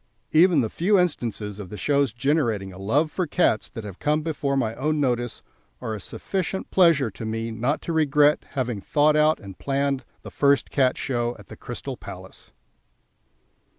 Even the few instances of the shows generating a love for cats that have come before my own notice are a sufficient pleasure to me not to regret having thought out and planned the first Cat Show at the Crystal Palace.